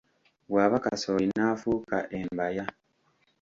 Bw’aba Kasooli n’afuuka Embaya.